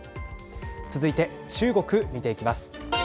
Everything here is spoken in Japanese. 続いて中国、見ていきます。